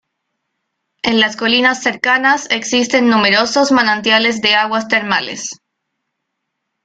En las colinas cercanas existen numerosos manantiales de aguas termales.